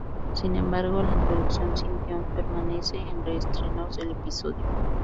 Sin embargo, la introducción sin guion permanece en reestrenos del episodio.